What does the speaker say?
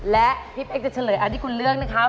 และพี่เป๊กจะเฉลยอันที่คุณเลือกนะครับ